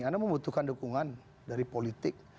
anda membutuhkan dukungan dari politik